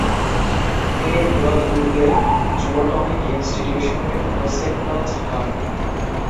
তিনি ভুরৎবুর্গের জুওটমিক ইনস্টিউশনের প্রসেক্টর হন।